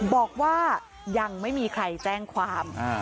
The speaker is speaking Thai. บอกว่ายังไม่มีใครแจ้งความ